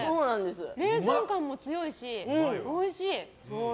レーズン感も強いしおいしい。